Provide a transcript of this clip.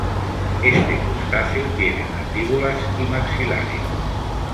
Este crustáceo tiene mandíbulas y maxilares.